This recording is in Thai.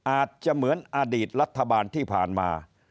อาจจะเหมือนอดีตรัฐบาลที่ผ่านมา